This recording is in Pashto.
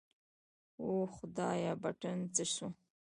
اوه خدايه بټن څه سو.